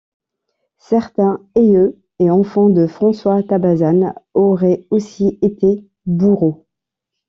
Certains aïeux et enfants de François Tabazan auraient aussi été bourreaux.